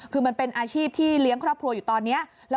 คือมันเป็นอาชีพที่เลี้ยงครอบครัวอยู่ตอนนี้